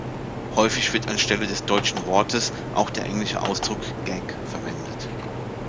Häufig wird anstelle des deutschen Wortes auch der englische Ausdruck "Gag" verwendet.